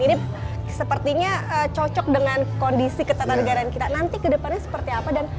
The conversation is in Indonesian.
ini sepertinya cocok dengan kondisi ketatanegaraan kita nanti ke depannya seperti apa dan